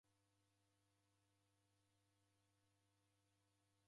Mborie mwana ulale.